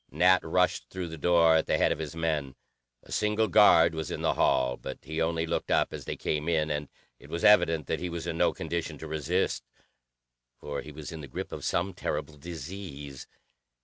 Nat rushed through the door at the head of his men. A single guard was in the hall, but he only looked up as they came in. And it was evident that he was in no condition to resist, for he was in the grip of some terrible disease.